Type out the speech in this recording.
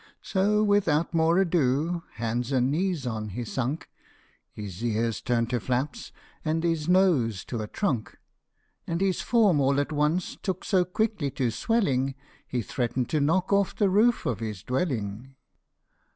" So without more ado, hands and knees on he sunk, His ears turned to flaps, and his nose to a trunk, And his form all at once took so quickly to swelling, He threatened to knock off the roof of his dwelling.